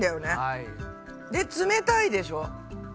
で冷たいでしょ。